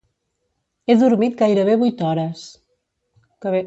He dormit gairebé vuit hores.